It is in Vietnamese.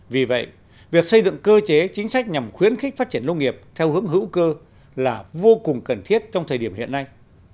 vì vậy việc xây dựng cơ chế chính sách nhằm khuyến khích phát triển nông nghiệp theo hướng hữu cơ là vô cùng cần thiết trong thời điểm hiện nay